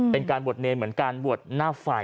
เป็นการบวชเนรเหมือนการบวชหน้าไฟ